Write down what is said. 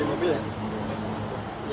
berupa intinya apa ya